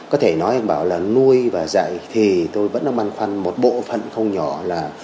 có thể nói bảo là nuôi và dạy thì tôi vẫn băn khoăn một bộ phận không nhỏ là